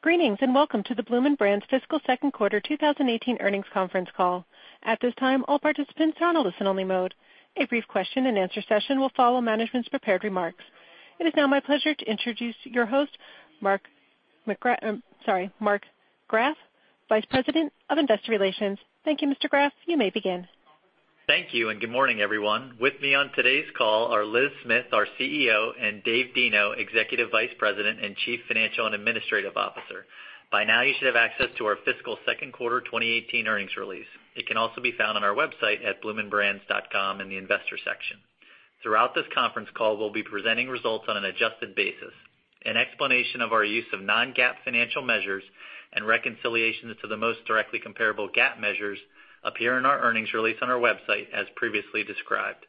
Greetings, welcome to the Bloomin' Brands fiscal second quarter 2018 earnings conference call. At this time, all participants are on a listen only mode. A brief question and answer session will follow management's prepared remarks. It is now my pleasure to introduce your host, Mark Graf, Vice President of Investor Relations. Thank you, Mr. Graf. You may begin. Thank you, good morning, everyone. With me on today's call are Elizabeth Smith, our CEO, and David Deno, Executive Vice President and Chief Financial and Administrative Officer. By now, you should have access to our fiscal second quarter 2018 earnings release. It can also be found on our website at bloominbrands.com in the investor section. Throughout this conference call, we'll be presenting results on an adjusted basis. An explanation of our use of non-GAAP financial measures and reconciliations to the most directly comparable GAAP measures appear in our earnings release on our website, as previously described.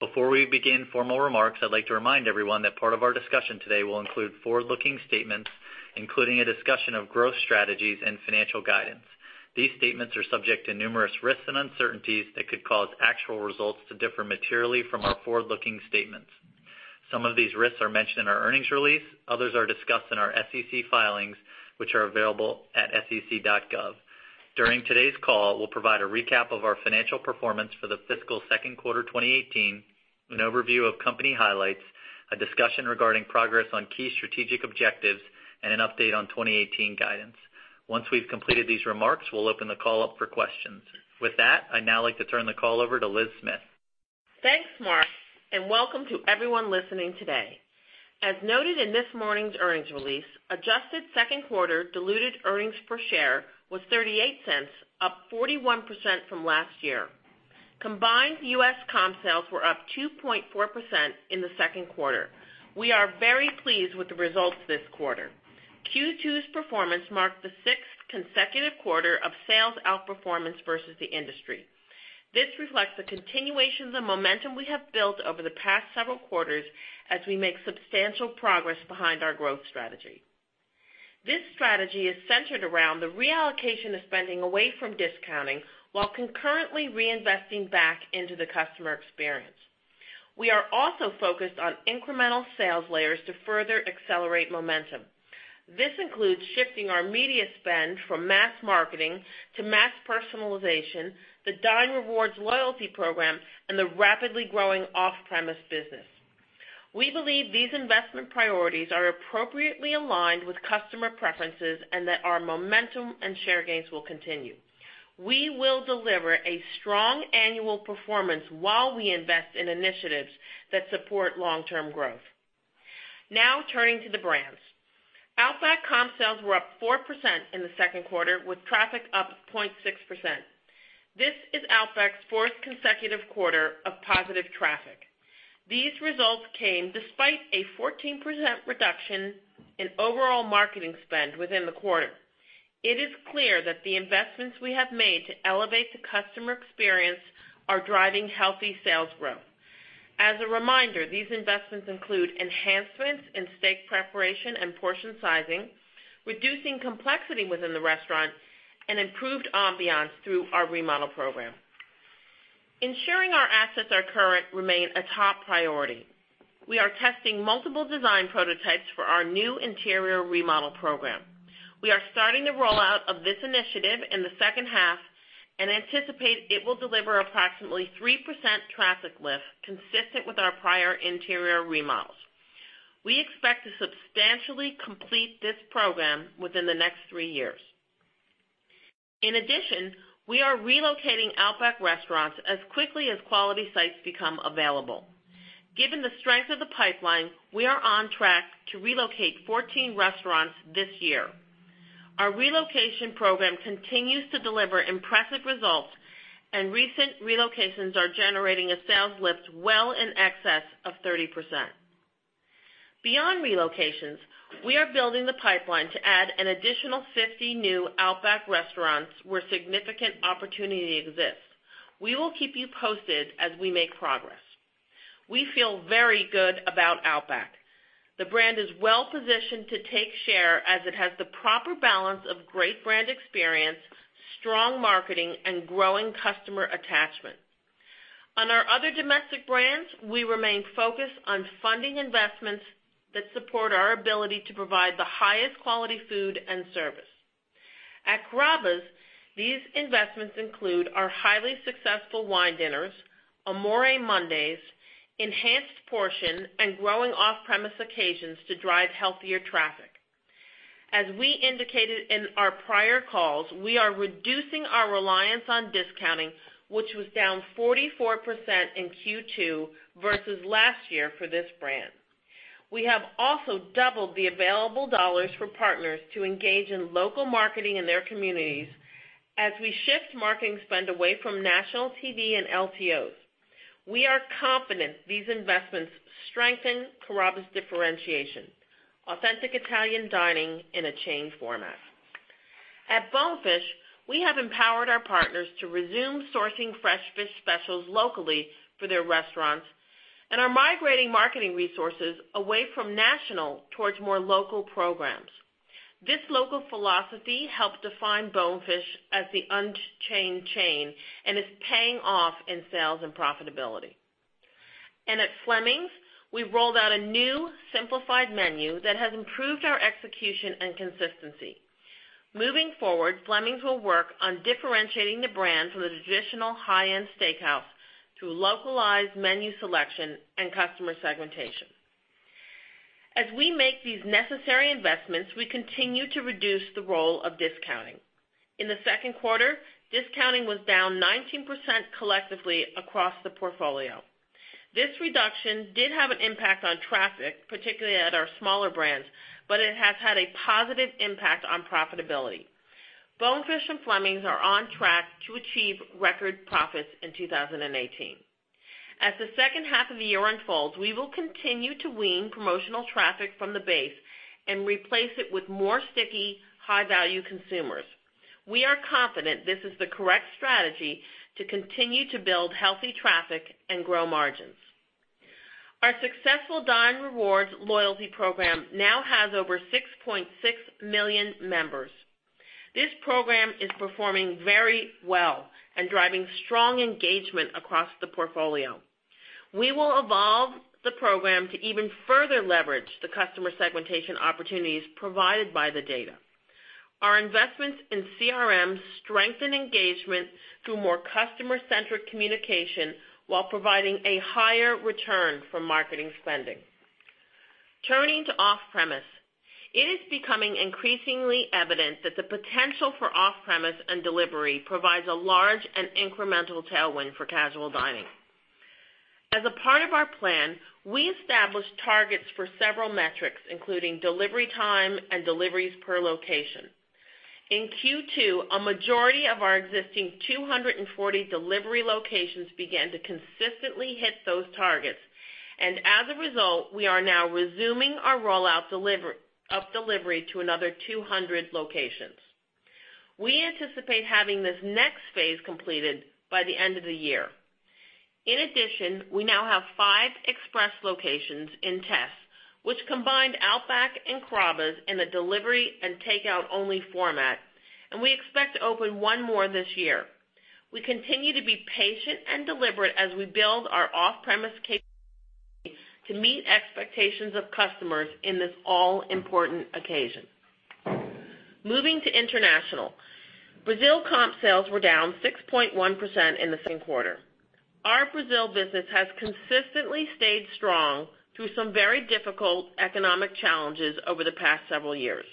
Before we begin formal remarks, I'd like to remind everyone that part of our discussion today will include forward-looking statements, including a discussion of growth strategies and financial guidance. These statements are subject to numerous risks and uncertainties that could cause actual results to differ materially from our forward-looking statements. Some of these risks are mentioned in our earnings release, others are discussed in our SEC filings, which are available at sec.gov. During today's call, we'll provide a recap of our financial performance for the fiscal second quarter 2018, an overview of company highlights, a discussion regarding progress on key strategic objectives, and an update on 2018 guidance. Once we've completed these remarks, we'll open the call up for questions. With that, I'd now like to turn the call over to Elizabeth Smith. Thanks, Mark, welcome to everyone listening today. As noted in this morning's earnings release, adjusted second quarter diluted earnings per share was $0.38, up 41% from last year. Combined U.S. comp sales were up 2.4% in the second quarter. We are very pleased with the results this quarter. Q2's performance marked the sixth consecutive quarter of sales outperformance versus the industry. This reflects the continuation of the momentum we have built over the past several quarters as we make substantial progress behind our growth strategy. This strategy is centered around the reallocation of spending away from discounting, while concurrently reinvesting back into the customer experience. We are also focused on incremental sales layers to further accelerate momentum. This includes shifting our media spend from mass marketing to mass personalization, the Dine Rewards loyalty program, and the rapidly growing off-premise business. We believe these investment priorities are appropriately aligned with customer preferences and that our momentum and share gains will continue. We will deliver a strong annual performance while we invest in initiatives that support long-term growth. Turning to the brands. Outback comp sales were up 4% in the second quarter, with traffic up 0.6%. This is Outback's fourth consecutive quarter of positive traffic. These results came despite a 14% reduction in overall marketing spend within the quarter. It is clear that the investments we have made to elevate the customer experience are driving healthy sales growth. As a reminder, these investments include enhancements in steak preparation and portion sizing, reducing complexity within the restaurant, and improved ambiance through our remodel program. Ensuring our assets are current remain a top priority. We are testing multiple design prototypes for our new interior remodel program. We are starting the rollout of this initiative in the second half and anticipate it will deliver approximately 3% traffic lift consistent with our prior interior remodels. We expect to substantially complete this program within the next three years. In addition, we are relocating Outback restaurants as quickly as quality sites become available. Given the strength of the pipeline, we are on track to relocate 14 restaurants this year. Our relocation program continues to deliver impressive results, and recent relocations are generating a sales lift well in excess of 30%. Beyond relocations, we are building the pipeline to add an additional 50 new Outback restaurants where significant opportunity exists. We will keep you posted as we make progress. We feel very good about Outback. The brand is well positioned to take share as it has the proper balance of great brand experience, strong marketing, and growing customer attachment. On our other domestic brands, we remain focused on funding investments that support our ability to provide the highest quality food and service. At Carrabba's, these investments include our highly successful wine dinners, Amore Mondays, enhanced portion, and growing off-premise occasions to drive healthier traffic. As we indicated in our prior calls, we are reducing our reliance on discounting, which was down 44% in Q2 versus last year for this brand. We have also doubled the available dollars for partners to engage in local marketing in their communities as we shift marketing spend away from national TV and LTOs. We are confident these investments strengthen Carrabba's differentiation, authentic Italian dining in a chain format. At Bonefish, we have empowered our partners to resume sourcing fresh fish specials locally for their restaurants and are migrating marketing resources away from national towards more local programs. This local philosophy helped define Bonefish as the unchained chain and is paying off in sales and profitability. At Fleming's, we've rolled out a new simplified menu that has improved our execution and consistency. Moving forward, Fleming's will work on differentiating the brand from the traditional high-end steakhouse through localized menu selection and customer segmentation. As we make these necessary investments, we continue to reduce the role of discounting. In the second quarter, discounting was down 19% collectively across the portfolio. This reduction did have an impact on traffic, particularly at our smaller brands, but it has had a positive impact on profitability. Bonefish and Fleming's are on track to achieve record profits in 2018. As the second half of the year unfolds, we will continue to wean promotional traffic from the base and replace it with stickier, high-value consumers. We are confident this is the correct strategy to continue to build healthy traffic and grow margins. Our successful Dine Rewards loyalty program now has over 6.6 million members. This program is performing very well and driving strong engagement across the portfolio. We will evolve the program to even further leverage the customer segmentation opportunities provided by the data. Our investments in CRMs strengthen engagement through more customer-centric communication while providing a higher return for marketing spending. Turning to off-premise, it is becoming increasingly evident that the potential for off-premise and delivery provides a large and incremental tailwind for casual dining. As a part of our plan, we established targets for several metrics, including delivery time and deliveries per location. In Q2, a majority of our existing 240 delivery locations began to consistently hit those targets, and as a result, we are now resuming our rollout of delivery to another 200 locations. We anticipate having this next phase completed by the end of the year. In addition, we now have five express locations in test, which combined Outback and Carrabba's in a delivery and takeout-only format, and we expect to open one more this year. We continue to be patient and deliberate as we build our off-premise capabilities to meet expectations of customers on this all-important occasion. Moving to international, Brazil comp sales were down 6.1% in the second quarter. Our Brazil business has consistently stayed strong through some very difficult economic challenges over the past several years.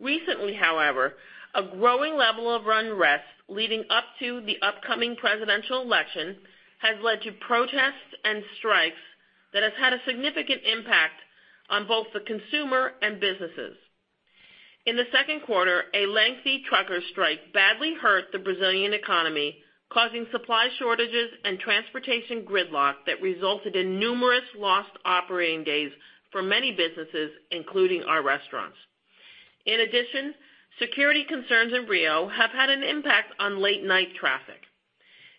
Recently, however, a growing level of unrest leading up to the upcoming presidential election has led to protests and strikes that have had a significant impact on both the consumer and businesses. In the second quarter, a lengthy trucker strike badly hurt the Brazilian economy, causing supply shortages and transportation gridlock that resulted in numerous lost operating days for many businesses, including our restaurants. In addition, security concerns in Rio have had an impact on late-night traffic.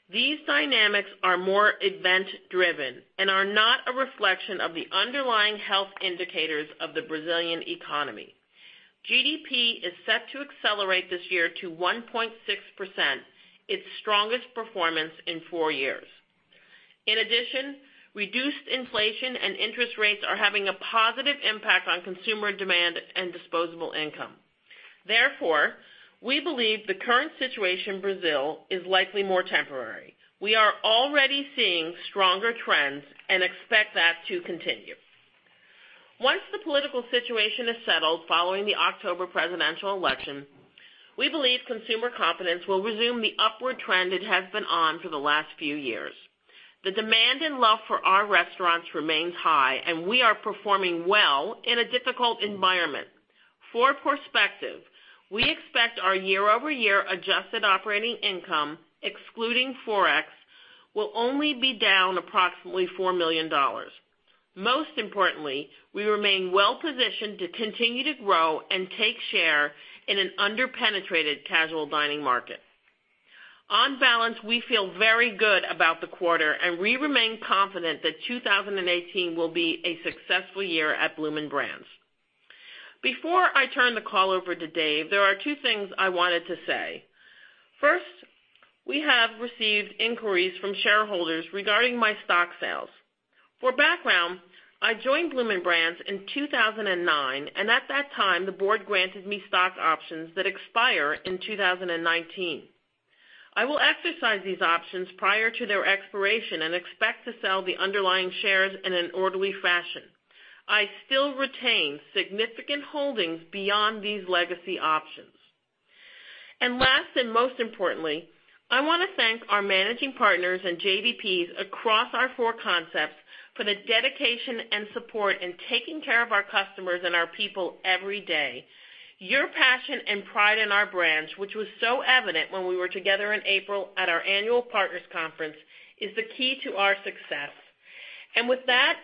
These dynamics are more event-driven and are not a reflection of the underlying health indicators of the Brazilian economy. GDP is set to accelerate this year to 1.6%, its strongest performance in four years. In addition, reduced inflation and interest rates are having a positive impact on consumer demand and disposable income. We believe the current situation in Brazil is likely more temporary. We are already seeing stronger trends and expect that to continue. Once the political situation is settled following the October presidential election, we believe consumer confidence will resume the upward trend it has been on for the last few years. The demand and love for our restaurants remains high, and we are performing well in a difficult environment. For perspective, we expect our year-over-year adjusted operating income, excluding Forex, will only be down approximately $4 million. Most importantly, we remain well-positioned to continue to grow and take share in an underpenetrated casual dining market. On balance, we feel very good about the quarter, and we remain confident that 2018 will be a successful year at Bloomin' Brands. Before I turn the call over to Dave, there are two things I wanted to say. We have received inquiries from shareholders regarding my stock sales. For background, I joined Bloomin' Brands in 2009, and at that time, the board granted me stock options that expire in 2019. I will exercise these options prior to their expiration and expect to sell the underlying shares in an orderly fashion. I still retain significant holdings beyond these legacy options. Last, and most importantly, I want to thank our managing partners and JDPs across our four concepts for their dedication and support in taking care of our customers and our people every day. Your passion and pride in our brands, which was so evident when we were together in April at our annual partners conference, is the key to our success. With that,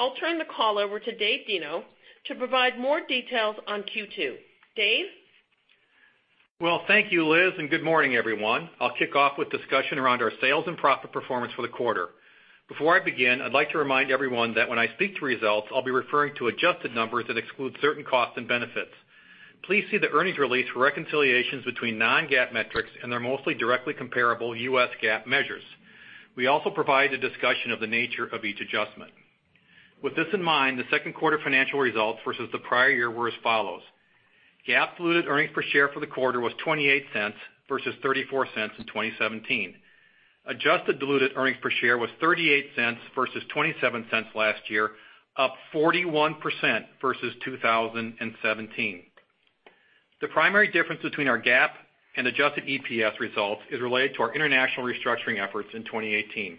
I'll turn the call over to Dave Deno to provide more details on Q2. Dave? Thank you, Liz, and good morning, everyone. I'll kick off with a discussion around our sales and profit performance for the quarter. Before I begin, I'd like to remind everyone that when I speak to results, I'll be referring to adjusted numbers that exclude certain costs and benefits. Please see the earnings release for reconciliations between non-GAAP metrics and their mostly directly comparable U.S. GAAP measures. We also provide a discussion of the nature of each adjustment. With this in mind, the second quarter financial results versus the prior year were as follows: GAAP diluted earnings per share for the quarter was $0.28 versus $0.34 in 2017. Adjusted diluted earnings per share was $0.38 versus $0.27 last year, up 41% versus 2017. The primary difference between our GAAP and adjusted EPS results is related to our international restructuring efforts in 2018.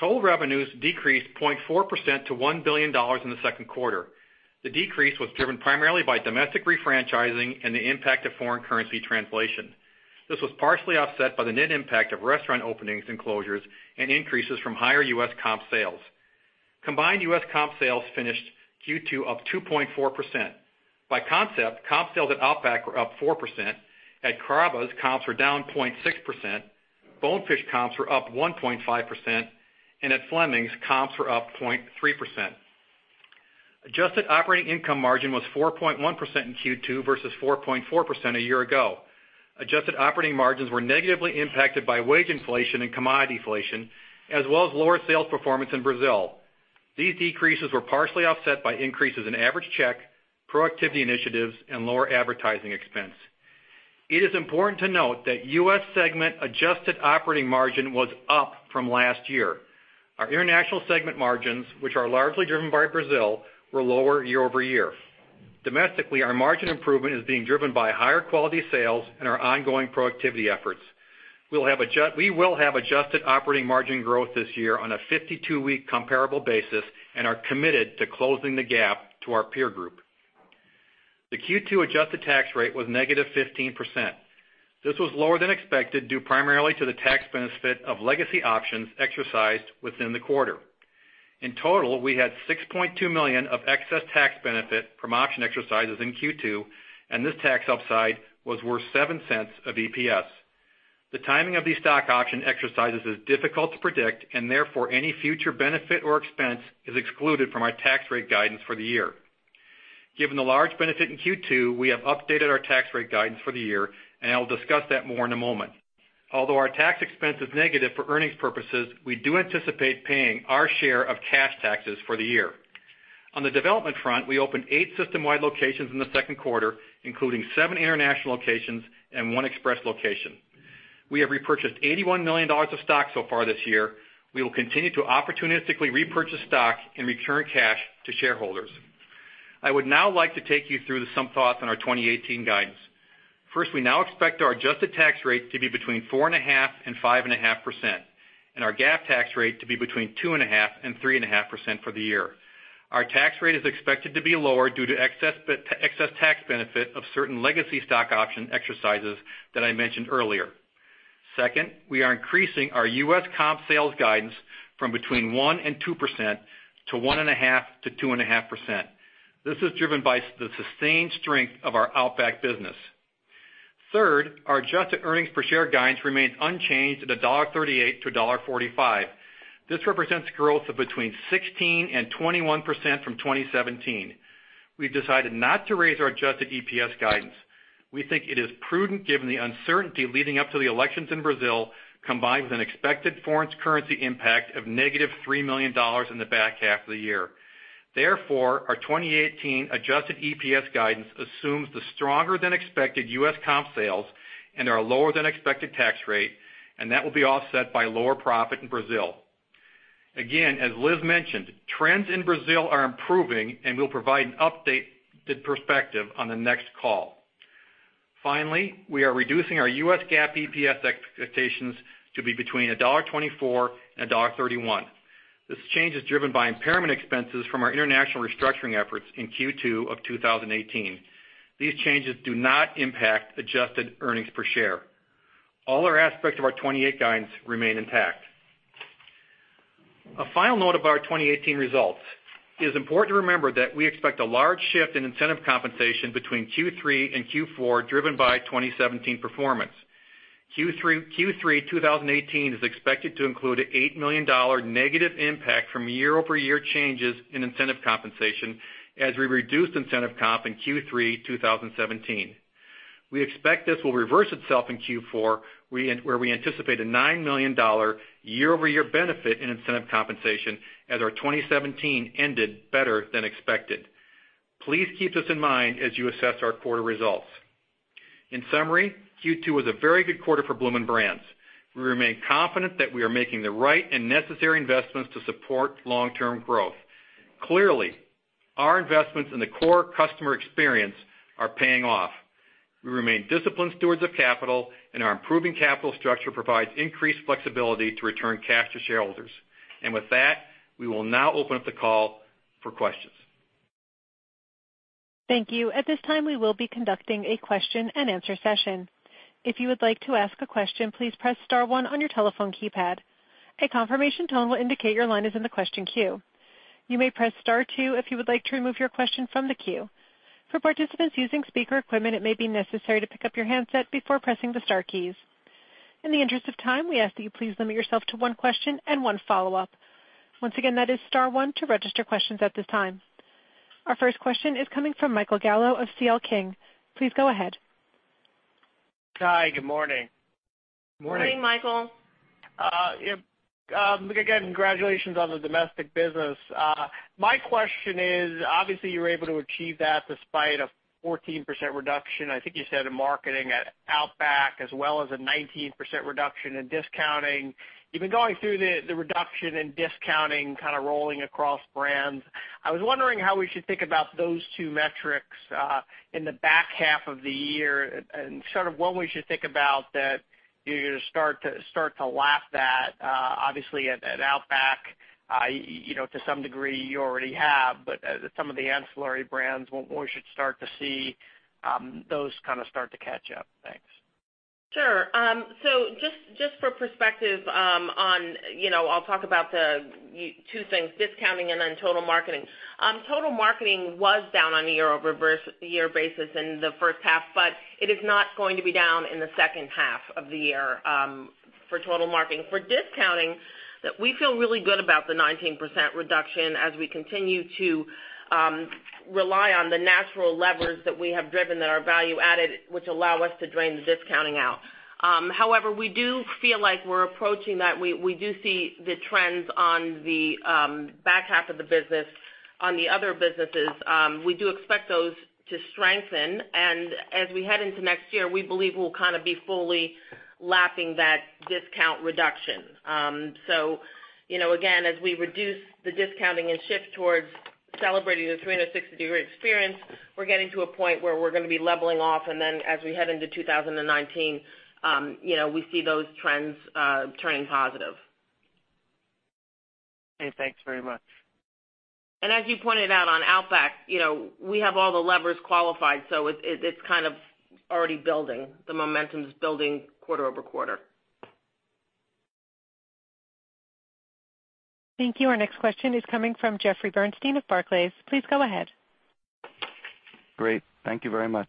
Total revenues decreased 0.4% to $1 billion in the second quarter. The decrease was driven primarily by domestic refranchising and the impact of foreign currency translation. This was partially offset by the net impact of restaurant openings and closures and increases from higher U.S. comp sales. Combined U.S. comp sales finished Q2 up 2.4%. By concept, comp sales at Outback were up 4%, at Carrabba's comps were down 0.6%, Bonefish comps were up 1.5%, and at Fleming's comps were up 0.3%. Adjusted operating income margin was 4.1% in Q2 versus 4.4% a year ago. Adjusted operating margins were negatively impacted by wage inflation and commodity inflation, as well as lower sales performance in Brazil. These decreases were partially offset by increases in average check, productivity initiatives, and lower advertising expense. It is important to note that U.S. segment adjusted operating margin was up from last year. Our international segment margins, which are largely driven by Brazil, were lower year-over-year. Domestically, our margin improvement is being driven by higher quality sales and our ongoing productivity efforts. We will have adjusted operating margin growth this year on a 52-week comparable basis and are committed to closing the gap to our peer group. The Q2 adjusted tax rate was negative 15%. This was lower than expected due primarily to the tax benefit of legacy options exercised within the quarter. In total, we had $6.2 million of excess tax benefit from option exercises in Q2, and this tax upside was worth $0.07 of EPS. The timing of these stock option exercises is difficult to predict. Therefore, any future benefit or expense is excluded from our tax rate guidance for the year. Given the large benefit in Q2, we have updated our tax rate guidance for the year, and I will discuss that more in a moment. Although our tax expense is negative for earnings purposes, we do anticipate paying our share of cash taxes for the year. On the development front, we opened 8 system-wide locations in the second quarter, including 7 international locations and one express location. We have repurchased $81 million of stock so far this year. We will continue to opportunistically repurchase stock and return cash to shareholders. I would now like to take you through some thoughts on our 2018 guidance. First, we now expect our adjusted tax rate to be between 4.5% and 5.5%, and our GAAP tax rate to be between 2.5% and 3.5% for the year. Our tax rate is expected to be lower due to excess tax benefit of certain legacy stock option exercises that I mentioned earlier. Second, we are increasing our U.S. comp sales guidance from between 1% and 2% to 1.5%-2.5%. This is driven by the sustained strength of our Outback business. Third, our adjusted earnings per share guidance remains unchanged at $1.38-$1.45. This represents growth of between 16% and 21% from 2017. We have decided not to raise our adjusted EPS guidance. We think it is prudent given the uncertainty leading up to the elections in Brazil, combined with an expected foreign currency impact of negative $3 million in the back half of the year. Therefore, our 2018 adjusted EPS guidance assumes the stronger than expected U.S. comp sales and our lower than expected tax rate, and that will be offset by lower profit in Brazil. Again, as Liz mentioned, trends in Brazil are improving, and we will provide an updated perspective on the next call. Finally, we are reducing our U.S. GAAP EPS expectations to be between $1.24 and $1.31. This change is driven by impairment expenses from our international restructuring efforts in Q2 of 2018. These changes do not impact adjusted earnings per share. All our aspects of our 2018 guidance remain intact. A final note about our 2018 results. It is important to remember that we expect a large shift in incentive compensation between Q3 and Q4, driven by 2017 performance. Q3 2018 is expected to include an $8 million negative impact from year-over-year changes in incentive compensation as we reduced incentive comp in Q3 2017. We expect this will reverse itself in Q4, where we anticipate a $9 million year-over-year benefit in incentive compensation as our 2017 ended better than expected. Please keep this in mind as you assess our quarter results. In summary, Q2 was a very good quarter for Bloomin' Brands. We remain confident that we are making the right and necessary investments to support long-term growth. Clearly, our investments in the core customer experience are paying off. We remain disciplined stewards of capital, and our improving capital structure provides increased flexibility to return cash to shareholders. With that, we will now open up the call for questions. Thank you. At this time, we will be conducting a question-and-answer session. If you would like to ask a question, please press star one on your telephone keypad. A confirmation tone will indicate your line is in the question queue. You may press star two if you would like to remove your question from the queue. For participants using speaker equipment, it may be necessary to pick up your handset before pressing the star keys. In the interest of time, we ask that you please limit yourself to one question and one follow-up. Once again, that is star one to register questions at this time. Our first question is coming from Michael Gallo of C.L. King. Please go ahead. Hi, good morning. Morning. Morning, Michael. Again, congratulations on the domestic business. My question is, obviously you were able to achieve that despite a 14% reduction, I think you said, in marketing at Outback, as well as a 19% reduction in discounting. You've been going through the reduction in discounting kind of rolling across brands. I was wondering how we should think about those two metrics in the back half of the year and when we should think about that you're going to start to lap that. Obviously at Outback, to some degree, you already have, but at some of the ancillary brands, when we should start to see those kind of start to catch up. Thanks. Just for perspective, I'll talk about the two things, discounting and then total marketing. Total marketing was down on a year-over-year basis in the first half, but it is not going to be down in the second half of the year for total marketing. For discounting, we feel really good about the 19% reduction as we continue to rely on the natural levers that we have driven that are value added, which allow us to drain the discounting out. We do feel like we're approaching that. We do see the trends on the back half of the business. On the other businesses, we do expect those to strengthen. As we head into next year, we believe we'll kind of be fully lapping that discount reduction. Again, as we reduce the discounting and shift towards celebrating the 360-degree experience, we're getting to a point where we're going to be leveling off, and then as we head into 2019, we see those trends turning positive. Thanks very much. As you pointed out on Outback, we have all the levers qualified, so it's kind of already building. The momentum's building quarter-over-quarter. Thank you. Our next question is coming from Jeffrey Bernstein of Barclays. Please go ahead. Great. Thank you very much.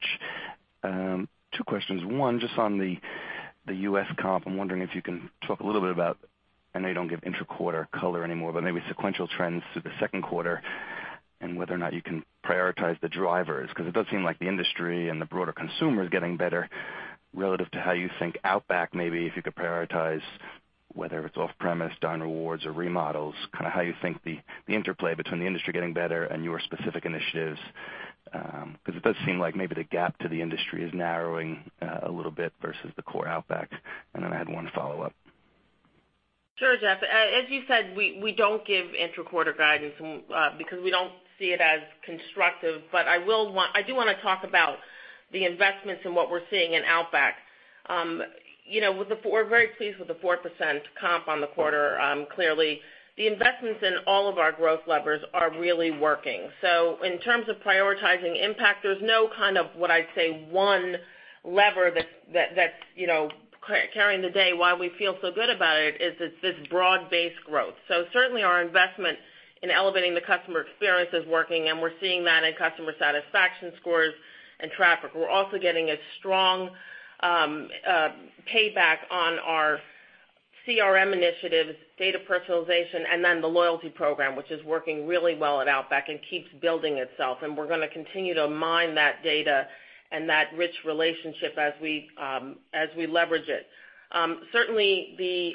Two questions. One, just on the U.S. comp, I am wondering if you can talk a little bit about, I know you don't give intra-quarter color anymore, but maybe sequential trends through the second quarter, and whether or not you can prioritize the drivers, because it does seem like the industry and the broader consumer is getting better relative to how you think Outback, maybe if you could prioritize whether it's off-premise, Dine Rewards, or remodels, kind of how you think the interplay between the industry getting better and your specific initiatives. Because it does seem like maybe the gap to the industry is narrowing a little bit versus the core Outback. Then I had one follow-up. Sure, Jeff. As you said, we don't give intra-quarter guidance because we don't see it as constructive. But I do want to talk about the investments and what we're seeing in Outback. We're very pleased with the 4% comp on the quarter, clearly. The investments in all of our growth levers are really working. So in terms of prioritizing impact, there's no kind of what I'd say one lever that's carrying the day. Why we feel so good about it is it's this broad-based growth. So certainly our investment in elevating the customer experience is working, and we're seeing that in customer satisfaction scores and traffic. We're also getting a strong payback on our CRM initiatives, data personalization, and then the loyalty program, which is working really well at Outback and keeps building itself. We're going to continue to mine that data and that rich relationship as we leverage it. Certainly, the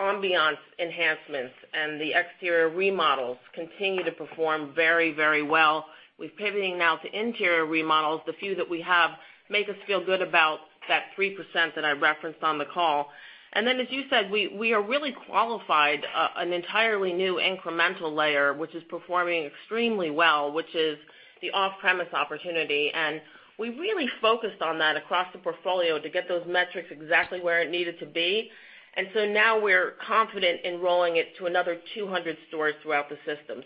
ambiance enhancements and the exterior remodels continue to perform very well. We're pivoting now to interior remodels. The few that we have make us feel good about that 3% that I referenced on the call. Then, as you said, we are really qualified an entirely new incremental layer, which is performing extremely well, which is the off-premise opportunity. We really focused on that across the portfolio to get those metrics exactly where it needed to be. So now we're confident in rolling it to another 200 stores throughout the system.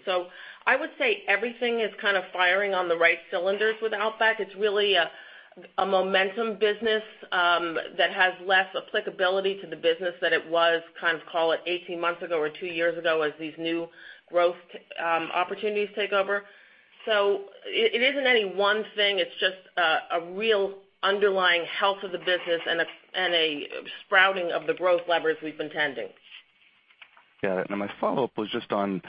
I would say everything is kind of firing on the right cylinders with Outback. It's really a momentum business that has less applicability to the business than it was kind of call it 18 months ago or two years ago as these new growth opportunities take over. It isn't any one thing. It's just a real underlying health of the business and a sprouting of the growth levers we've been tending. Got it. My follow-up was just on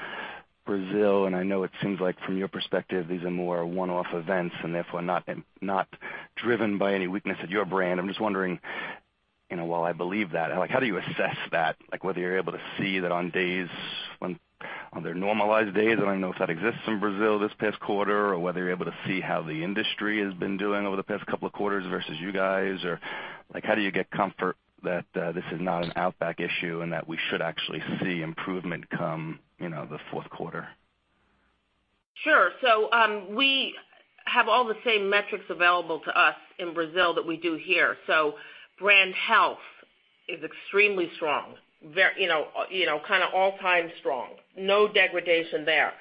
Brazil, I know it seems like from your perspective, these are more one-off events and therefore not driven by any weakness at your brand. I'm just wondering, while I believe that, how do you assess that? Whether you're able to see that on their normalized days? I know if that exists in Brazil this past quarter, or whether you're able to see how the industry has been doing over the past couple of quarters versus you guys. How do you get comfort that this is not an Outback issue and that we should actually see improvement come the fourth quarter? Sure. We have all the same metrics available to us in Brazil that we do here. Brand health is extremely strong. Kind of all-time strong. No degradation there.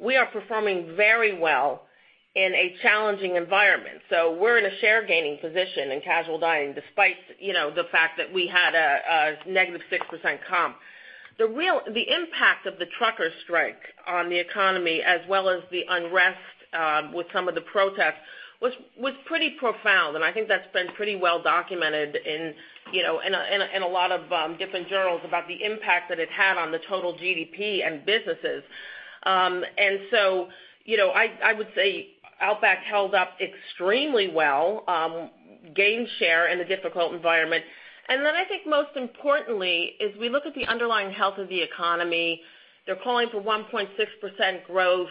We are performing very well in a challenging environment. We're in a share gaining position in casual dining, despite the fact that we had a negative 6% comp. The impact of the trucker strike on the economy, as well as the unrest with some of the protests, was pretty profound. I think that's been pretty well documented in a lot of different journals about the impact that it had on the total GDP and businesses. I would say Outback held up extremely well, gained share in a difficult environment. Then I think most importantly, as we look at the underlying health of the economy, they're calling for 1.6% growth.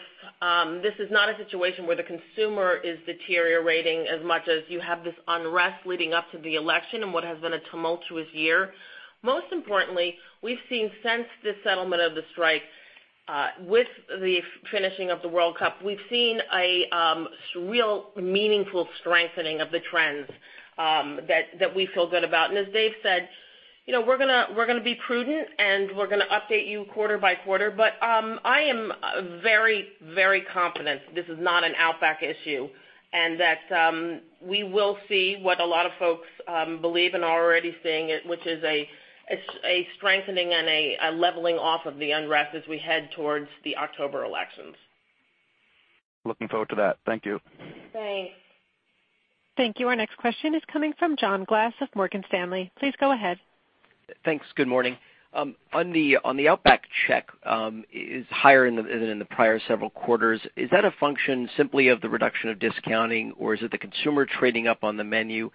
This is not a situation where the consumer is deteriorating as much as you have this unrest leading up to the election and what has been a tumultuous year. Most importantly, we've seen since the settlement of the strike, with the finishing of the World Cup, we've seen a real meaningful strengthening of the trends that we feel good about. As Dave said, we're going to be prudent, and we're going to update you quarter by quarter. I am very confident this is not an Outback issue, and that we will see what a lot of folks believe and are already seeing, which is a strengthening and a leveling off of the unrest as we head towards the October elections. Looking forward to that. Thank you. Thanks. Thank you. Our next question is coming from John Glass of Morgan Stanley. Please go ahead. Thanks. Good morning. On the Outback check is higher than in the prior several quarters. Is that a function simply of the reduction of discounting, or is it the consumer trading up on the menu?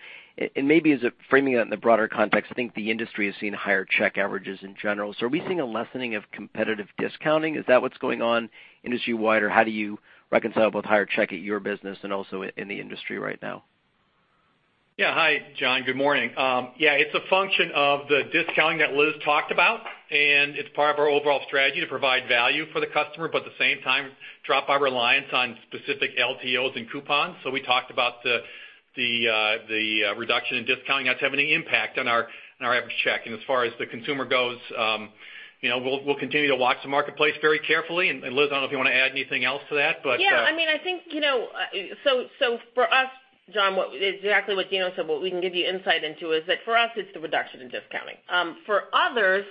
Maybe framing it in the broader context, I think the industry has seen higher check averages in general. Are we seeing a lessening of competitive discounting? Is that what's going on industry-wide, or how do you reconcile both higher check at your business and also in the industry right now? Yeah. Hi, John. Good morning. Yeah, it's a function of the discounting that Liz talked about, and it's part of our overall strategy to provide value for the customer, but at the same time, drop our reliance on specific LTOs and coupons. We talked about the reduction in discounting that's having an impact on our average check. As far as the consumer goes, we'll continue to watch the marketplace very carefully. Liz, I don't know if you want to add anything else to that. For us, John, exactly what David Deno said, what we can give you insight into is that for us, it's the reduction in discounting. For others,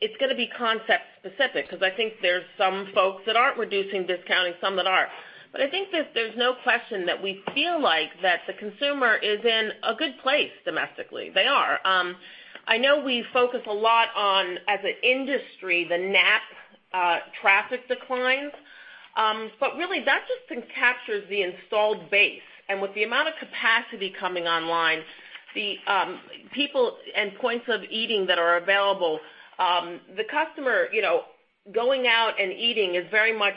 it's going to be concept specific, because I think there's some folks that aren't reducing discounting, some that are. But I think that there's no question that we feel like that the consumer is in a good place domestically. They are. I know we focus a lot on, as an industry, the Knapp-Track traffic declines. But really, that just captures the installed base. And with the amount of capacity coming online, the people and points of eating that are available, the customer going out and eating is very much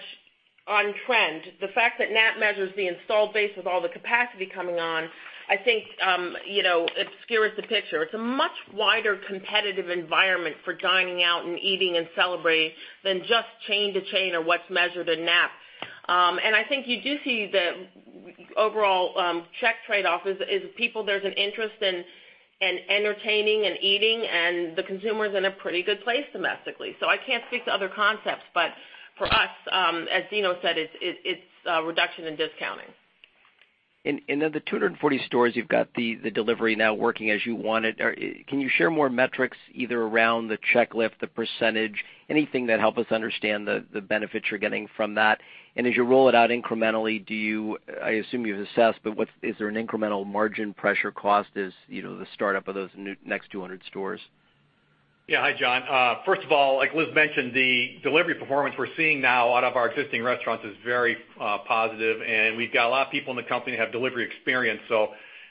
on trend. The fact that Knapp-Track measures the installed base with all the capacity coming on, I think, it skewers the picture. It's a much wider competitive environment for dining out and eating and celebrating than just chain to chain or what's measured in Knapp-Track. I think you do see the overall check trade-off is people, there's an interest in entertaining and eating, and the consumer's in a pretty good place domestically. I can't speak to other concepts, but for us, as David Deno said, it's reduction in discounting. Of the 240 stores, you've got the delivery now working as you wanted. Can you share more metrics either around the check lift, the percentage, anything that help us understand the benefits you're getting from that? As you roll it out incrementally, I assume you've assessed, but is there an incremental margin pressure cost as the startup of those next 200 stores? Hi, John. First of all, like Elizabeth Smith mentioned, the delivery performance we're seeing now out of our existing restaurants is very positive, and we've got a lot of people in the company who have delivery experience, so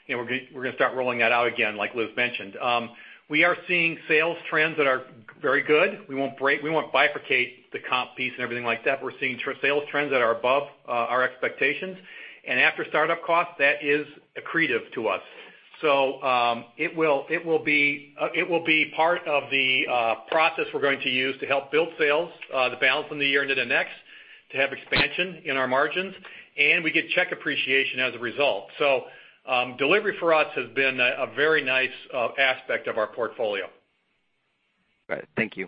we're going to start rolling that out again, like Elizabeth Smith mentioned. We are seeing sales trends that are very good. We won't bifurcate the comp piece and everything like that, but we're seeing sales trends that are above our expectations. After startup costs, that is accretive to us. So, it will be part of the process we're going to use to help build sales, the balance from the year into the next, to have expansion in our margins, and we get check appreciation as a result. So, delivery for us has been a very nice aspect of our portfolio. Got it. Thank you.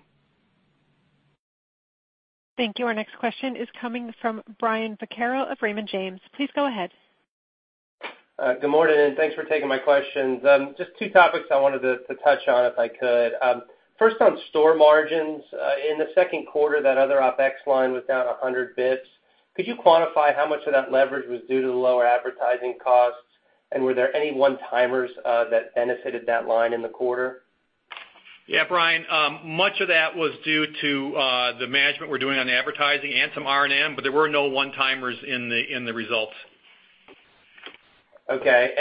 Thank you. Our next question is coming from Brian Vaccaro of Raymond James. Please go ahead. Good morning, thanks for taking my questions. Just two topics I wanted to touch on, if I could. First, on store margins. In the second quarter, that other OpEx line was down 100 basis points. Were there any one-timers that benefited that line in the quarter? Yeah, Brian. Much of that was due to the management we're doing on advertising and some R&M, there were no one-timers in the results. Okay.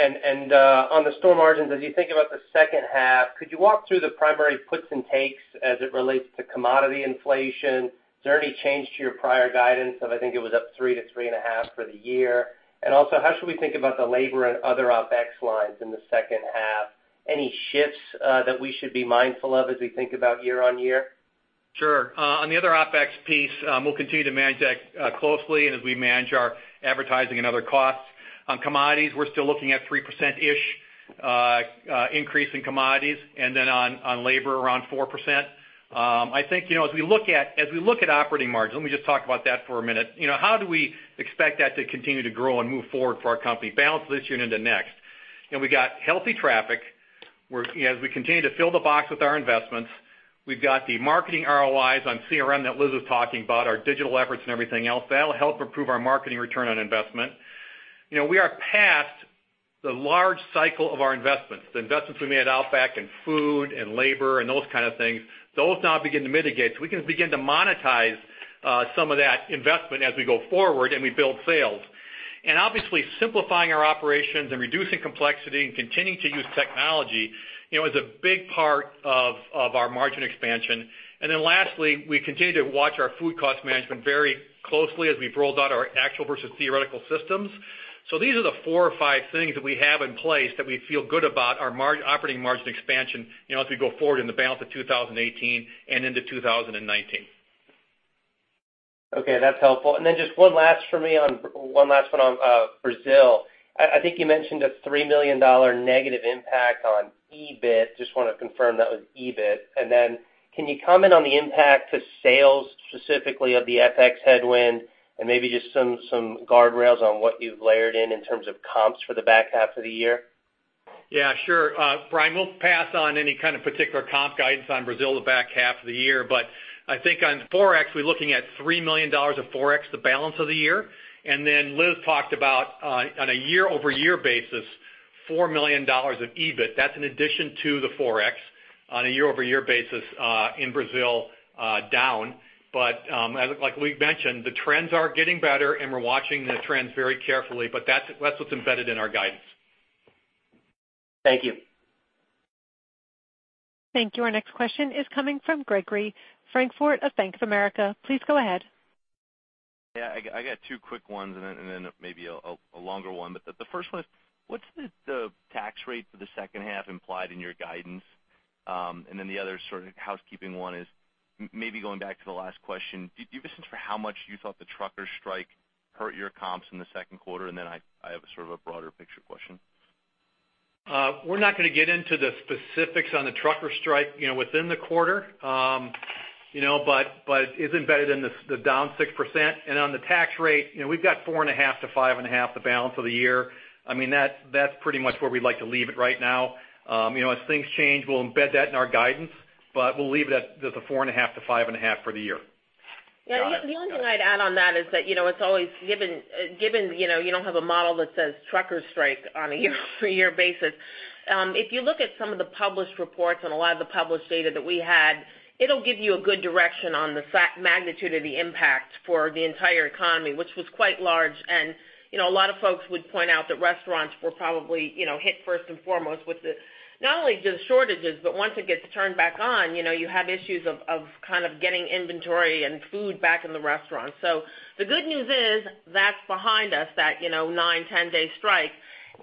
On the store margins, as you think about the second half, could you walk through the primary puts and takes as it relates to commodity inflation? Is there any change to your prior guidance of, I think it was up 3%-3.5% for the year? How should we think about the labor and other OpEx lines in the second half? Any shifts that we should be mindful of as we think about year-over-year? Sure. On the other OpEx piece, we'll continue to manage that closely as we manage our advertising and other costs. On commodities, we're still looking at 3%-ish increase in commodities. On labor, around 4%. I think, as we look at operating margins, let me just talk about that for a minute. How do we expect that to continue to grow and move forward for our company, balance of this year into next? We got healthy traffic. As we continue to fill the box with our investments, we've got the marketing ROIs on CRM that Liz was talking about, our digital efforts and everything else. That'll help improve our marketing return on investment. We are past the large cycle of our investments, the investments we made at Outback in food and labor and those kind of things. Those now begin to mitigate, we can begin to monetize some of that investment as we go forward and we build sales. Obviously simplifying our operations and reducing complexity and continuing to use technology is a big part of our margin expansion. Lastly, we continue to watch our food cost management very closely as we've rolled out our actual versus theoretical systems. These are the four or five things that we have in place that we feel good about our operating margin expansion, as we go forward in the balance of 2018 and into 2019. Okay, that's helpful. Just one last one on Brazil. I think you mentioned a $3 million negative impact on EBIT. Just want to confirm that was EBIT. Can you comment on the impact to sales specifically of the FX headwind and maybe just some guardrails on what you've layered in terms of comps for the back half of the year? Yeah, sure. Brian, we'll pass on any kind of particular comp guidance on Brazil the back half of the year. I think on Forex, we're looking at $3 million of Forex, the balance of the year. Then Liz talked about, on a year-over-year basis, $4 million of EBIT. That's an addition to the Forex on a year-over-year basis, in Brazil, down. Like Liz mentioned, the trends are getting better, and we're watching the trends very carefully. That's what's embedded in our guidance. Thank you. Thank you. Our next question is coming from Gregory Francfort of Bank of America. Please go ahead. Yeah, I got two quick ones and then maybe a longer one. The first one is, what's the tax rate for the second half implied in your guidance? Then the other sort of housekeeping one is maybe going back to the last question, do you have a sense for how much you thought the trucker strike hurt your comps in the second quarter? Then I have a sort of a broader picture question. We're not going to get into the specifics on the trucker strike within the quarter. It's embedded in the down 6%. On the tax rate, we've got 4.5%-5.5% the balance of the year. That's pretty much where we'd like to leave it right now. As things change, we'll embed that in our guidance, but we'll leave it at the 4.5%-5.5% for the year. Got it. The only thing I'd add on that is that, given you don't have a model that says trucker strike on a year-over-year basis. If you look at some of the published reports and a lot of the published data that we had, it'll give you a good direction on the magnitude of the impact for the entire economy, which was quite large. A lot of folks would point out that restaurants were probably hit first and foremost with not only the shortages, but once it gets turned back on, you have issues of getting inventory and food back in the restaurant. The good news is that's behind us, that nine, 10-day strike.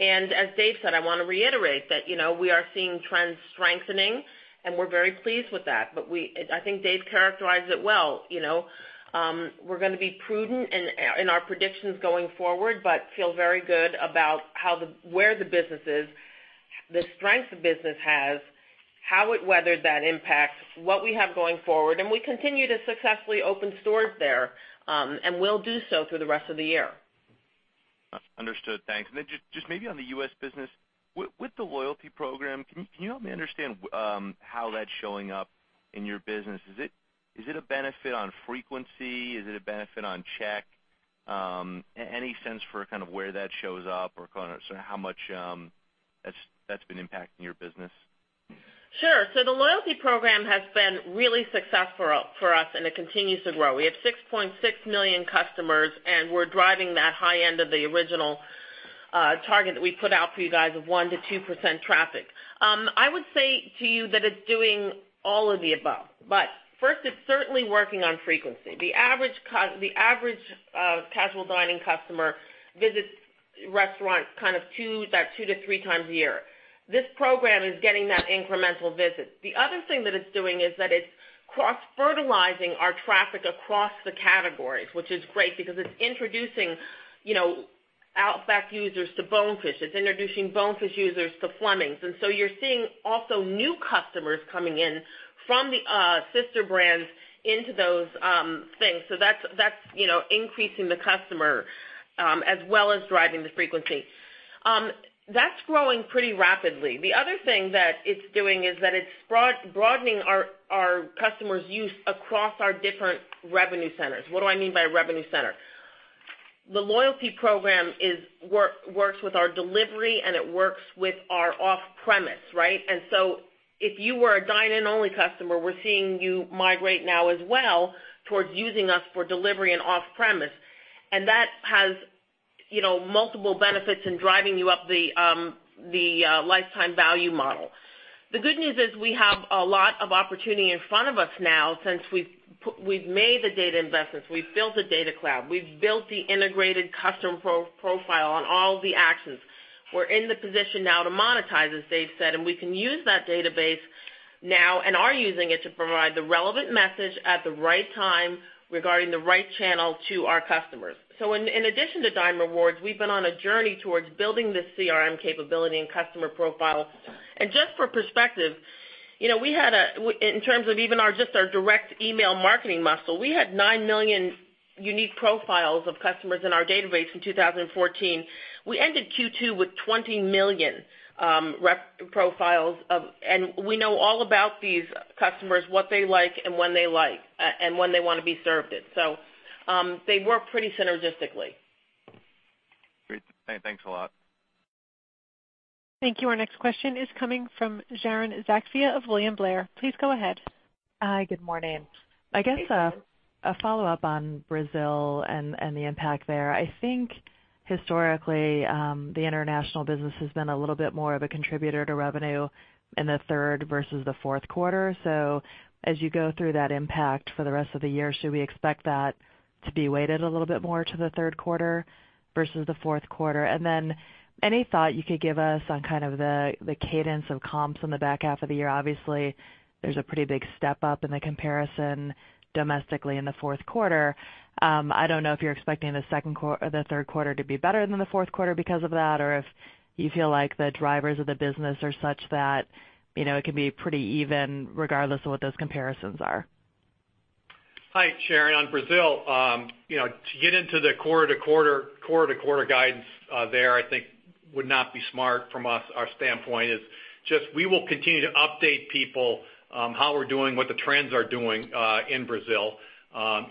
As Dave said, I want to reiterate that we are seeing trends strengthening, and we're very pleased with that. I think Dave characterized it well. We're going to be prudent in our predictions going forward, feel very good about where the business is, the strength the business has, how it weathered that impact, what we have going forward, we continue to successfully open stores there, will do so through the rest of the year. Understood. Thanks. Then just maybe on the U.S. business. With the Dine Rewards, can you help me understand how that's showing up in your business? Is it a benefit on frequency? Is it a benefit on check? Any sense for kind of where that shows up or how much that's been impacting your business? Sure. The Dine Rewards has been really successful for us, it continues to grow. We have 6.6 million customers, we're driving that high end of the original target that we put out for you guys of 1%-2% traffic. I would say to you that it's doing all of the above. First, it's certainly working on frequency. The average casual dining customer visits restaurants kind of two to three times a year. This program is getting that incremental visit. The other thing that it's doing is that it's cross-fertilizing our traffic across the categories, which is great because it's introducing Outback users to Bonefish. It's introducing Bonefish users to Fleming's. You're seeing also new customers coming in from the sister brands into those things. That's increasing the customer as well as driving the frequency. That's growing pretty rapidly. The other thing that it's doing is that it's broadening our customers' use across our different revenue centers. What do I mean by revenue center? The Dine Rewards works with our delivery, it works with our off-premise, right? If you were a dine-in only customer, we're seeing you migrate now as well towards using us for delivery and off-premise. That has multiple benefits in driving you up the lifetime value model. The good news is we have a lot of opportunity in front of us now since we've made the data investments. We've built the data cloud. We've built the integrated customer profile on all the actions. We're in the position now to monetize, as Dave said, we can use that database now, are using it to provide the relevant message at the right time regarding the right channel to our customers. In addition to Dine Rewards, we've been on a journey towards building this CRM capability and customer profile. Just for perspective in terms of even just our direct email marketing muscle, we had nine million unique profiles of customers in our database in 2014. We ended Q2 with 20 million profiles, we know all about these customers, what they like and when they want to be served it. They work pretty synergistically. Great. Thanks a lot. Thank you. Our next question is coming from Sharon Zackfia of William Blair. Please go ahead. Hi. Good morning. Thank you. I guess a follow-up on Brazil and the impact there. I think historically, the international business has been a little bit more of a contributor to revenue in the third versus the fourth quarter. As you go through that impact for the rest of the year, should we expect that to be weighted a little bit more to the third quarter versus the fourth quarter? Any thought you could give us on kind of the cadence of comps on the back half of the year? Obviously, there's a pretty big step up in the comparison domestically in the fourth quarter. I don't know if you're expecting the third quarter to be better than the fourth quarter because of that, or if you feel like the drivers of the business are such that it can be pretty even regardless of what those comparisons are. Hi, Sharon. On Brazil, to get into the quarter to quarter guidance there I think would not be smart from us. Our standpoint is just we will continue to update people on how we're doing, what the trends are doing in Brazil.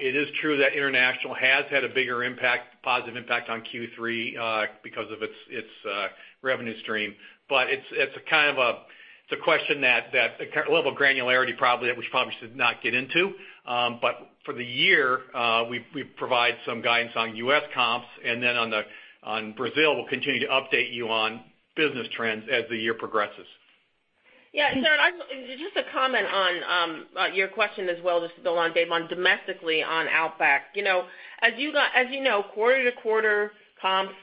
It is true that international has had a bigger impact, positive impact on Q3 because of its revenue stream. It's a question that the level of granularity probably, which we probably should not get into. For the year, we provide some guidance on U.S. comps, on Brazil, we'll continue to update you on business trends as the year progresses. Yeah, Sharon, just to comment on your question as well, just to go on, Dave, on domestically on Outback. As you know, quarter to quarter comps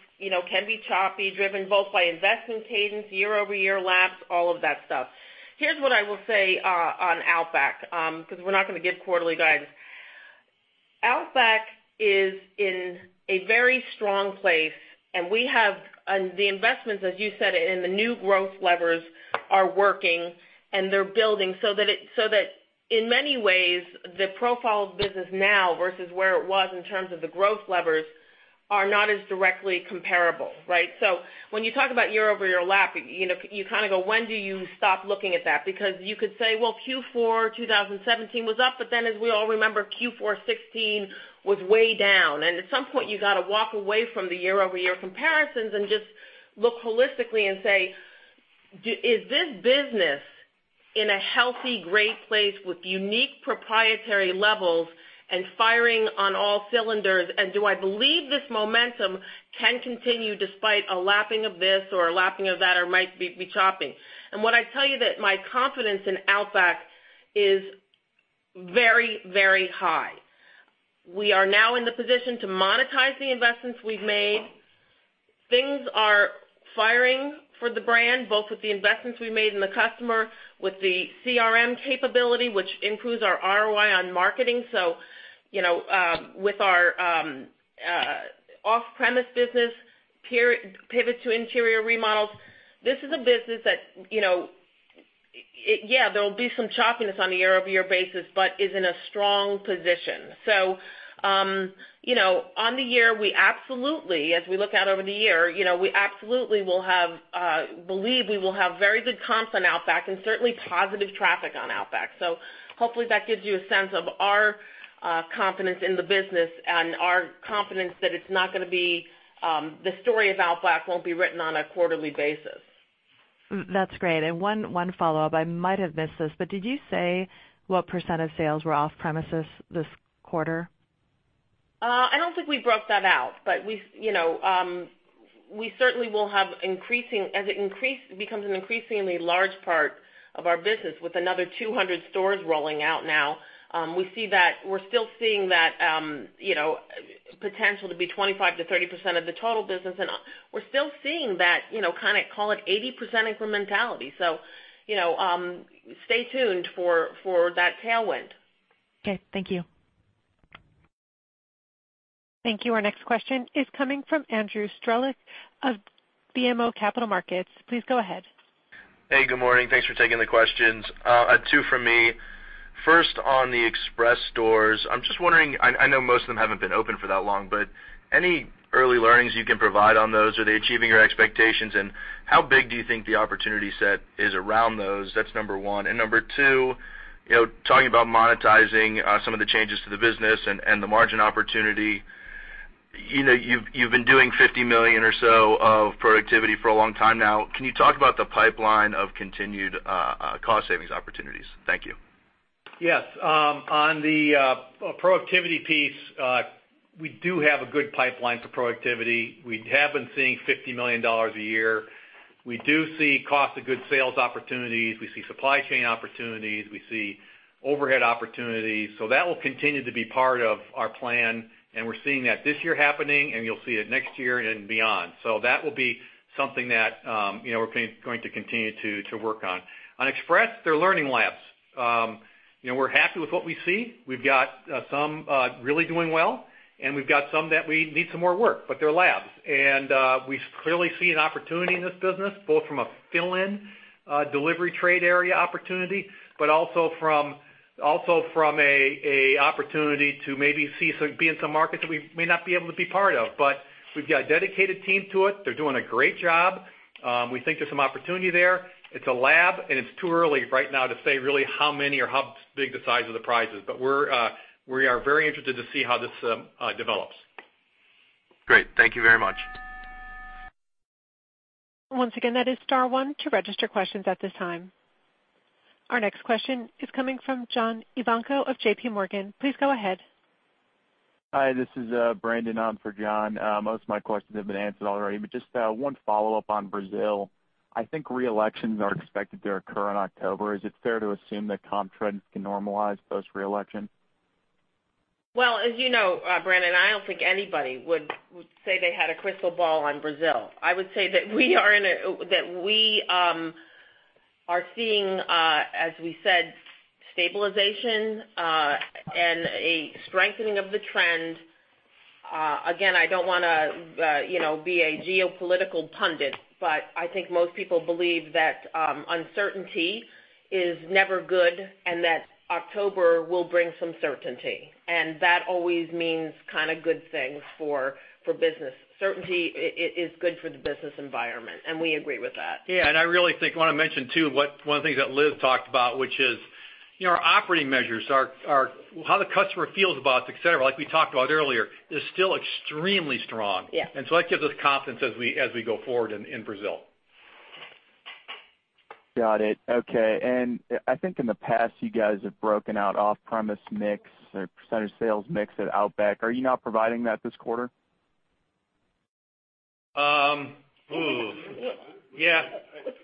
can be choppy, driven both by investment cadence, year-over-year lapse, all of that stuff. Here's what I will say on Outback, because we're not going to give quarterly guidance. Outback is in a very strong place, and the investments, as you said, in the new growth levers are working, and they're building so that in many ways, the profile of business now versus where it was in terms of the growth levers are not as directly comparable, right? When you talk about year-over-year lap, you kind of go, when do you stop looking at that? You could say, well, Q4 2017 was up, as we all remember, Q4 2016 was way down. At some point, you got to walk away from the year-over-year comparisons and just look holistically and say, "Is this business in a healthy, great place with unique proprietary levels and firing on all cylinders? Do I believe this momentum can continue despite a lapping of this or a lapping of that or might be chopping?" What I tell you that my confidence in Outback is very high. We are now in the position to monetize the investments we've made. Things are firing for the brand, both with the investments we made in the customer, with the CRM capability, which improves our ROI on marketing. With our off-premise business pivot to interior remodels, this is a business that, yeah, there'll be some choppiness on a year-over-year basis, but is in a strong position. On the year, as we look out over the year, we absolutely believe we will have very good comps on Outback and certainly positive traffic on Outback. Hopefully that gives you a sense of our confidence in the business and our confidence that the story of Outback won't be written on a quarterly basis. That's great. One follow-up. I might have missed this, but did you say what % of sales were off premises this quarter? I don't think we broke that out, but as it becomes an increasingly large part of our business with another 200 stores rolling out now, we're still seeing that potential to be 25%-30% of the total business. We're still seeing that kind of call it 80% incrementality. Stay tuned for that tailwind. Okay. Thank you. Thank you. Our next question is coming from Andrew Strelzik of BMO Capital Markets. Please go ahead. Hey, good morning. Thanks for taking the questions. Two from me. First on the express stores. I'm just wondering, I know most of them haven't been open for that long, but any early learnings you can provide on those? Are they achieving your expectations? How big do you think the opportunity set is around those? That's number one. Number two, talking about monetizing some of the changes to the business and the margin opportunity. You've been doing $50 million or so of productivity for a long time now. Can you talk about the pipeline of continued cost savings opportunities? Thank you. Yes. On the productivity piece, we do have a good pipeline for productivity. We have been seeing $50 million a year. We do see cost of goods sales opportunities. We see supply chain opportunities. We see overhead opportunities. That will continue to be part of our plan, and we're seeing that this year happening, and you'll see it next year and beyond. That will be something that we're going to continue to work on. On express, they're learning labs. We're happy with what we see. We've got some really doing well, and we've got some that we need some more work, but they're labs. We clearly see an opportunity in this business, both from a fill-in delivery trade area opportunity, but also from an opportunity to maybe be in some markets that we may not be able to be part of. We've got a dedicated team to it. They're doing a great job. We think there's some opportunity there. It's a lab, and it's too early right now to say really how many or how big the size of the prize is. We are very interested to see how this develops. Great. Thank you very much. Once again, that is star one to register questions at this time. Our next question is coming from John Ivankoe of JPMorgan. Please go ahead. Hi, this is Brandon on for John. Most of my questions have been answered already, but just one follow-up on Brazil. I think reelections are expected to occur in October. Is it fair to assume that comp trends can normalize post-reelection? As you know, Brandon, I don't think anybody would say they had a crystal ball on Brazil. I would say that we are seeing, as we said, stabilization and a strengthening of the trend. Again, I don't want to be a geopolitical pundit, but I think most people believe that uncertainty is never good and that October will bring some certainty. That always means good things for business. Certainty is good for the business environment, we agree with that. Yeah, I really think I want to mention, too, one of the things that Liz talked about, which is our operating measures are how the customer feels about us, et cetera, like we talked about earlier, is still extremely strong. Yeah. That gives us confidence as we go forward in Brazil. Got it. Okay. I think in the past you guys have broken out off-premise mix or percentage sales mix at Outback. Are you not providing that this quarter? Yeah. Have we done that?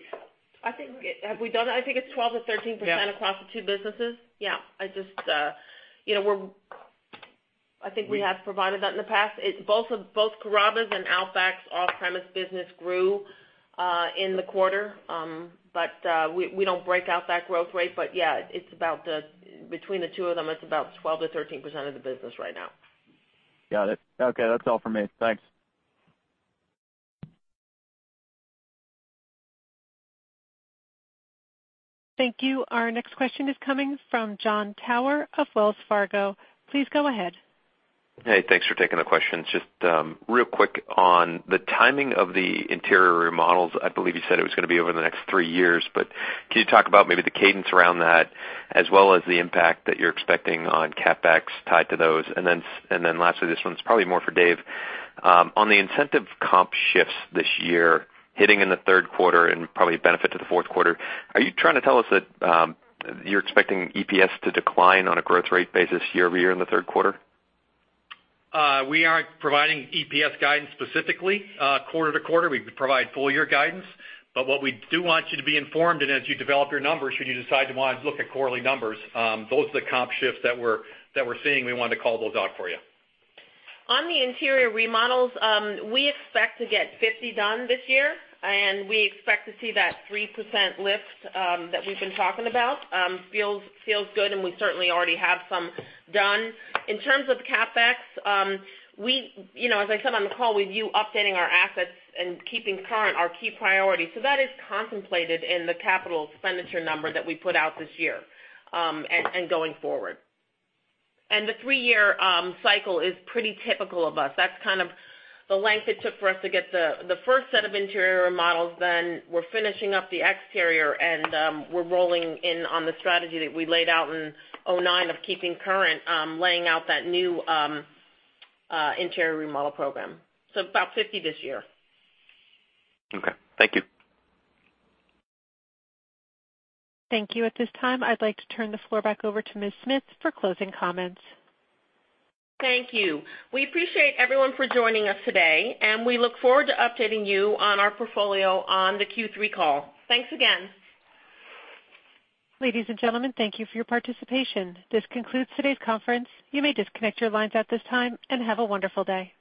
I think it's 12%-13% across the two businesses. Yeah. I think we have provided that in the past. Both Carrabba's and Outback's off-premise business grew in the quarter, we don't break out that growth rate. Yeah, between the two of them, it's about 12%-13% of the business right now. Got it. Okay. That's all for me. Thanks. Thank you. Our next question is coming from Jon Tower of Wells Fargo. Please go ahead. Hey, thanks for taking the questions. Just real quick on the timing of the interior remodels, I believe you said it was going to be over the next three years, but can you talk about maybe the cadence around that as well as the impact that you're expecting on CapEx tied to those? Lastly, this one's probably more for Dave. On the incentive comp shifts this year hitting in the third quarter and probably a benefit to the fourth quarter, are you trying to tell us that you're expecting EPS to decline on a growth rate basis year-over-year in the third quarter? We aren't providing EPS guidance specifically quarter to quarter. We provide full year guidance. What we do want you to be informed, and as you develop your numbers, should you decide to look at quarterly numbers, those are the comp shifts that we're seeing. We wanted to call those out for you. On the interior remodels, we expect to get 50 done this year, and we expect to see that 3% lift that we've been talking about. Feels good, and we certainly already have some done. In terms of CapEx, as I said on the call, we view updating our assets and keeping current our key priority. That is contemplated in the capital expenditure number that we put out this year and going forward. The three-year cycle is pretty typical of us. That's kind of the length it took for us to get the first set of interior remodels done. We're finishing up the exterior, and we're rolling in on the strategy that we laid out in 2009 of keeping current, laying out that new interior remodel program. About 50 this year. Okay. Thank you. Thank you. At this time, I'd like to turn the floor back over to Ms. Smith for closing comments. Thank you. We appreciate everyone for joining us today, and we look forward to updating you on our portfolio on the Q3 call. Thanks again. Ladies and gentlemen, thank you for your participation. This concludes today's conference. You may disconnect your lines at this time, and have a wonderful day.